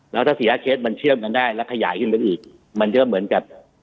แล้วถ้าสี่ห้าเคสมันเชื่อมกันได้แล้วขยายขึ้นเป็นอีกมันเชื่อมเหมือนกับ